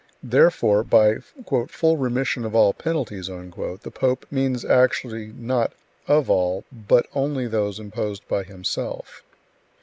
Therefore by "full remission of all penalties" the pope means not actually "of all," but only of those imposed by himself.